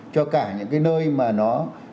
cho cả những cái nơi mà nó